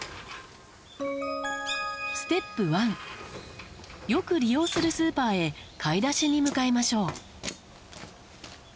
ステップ１よく利用するスーパーへ買い出しに向かいましょう。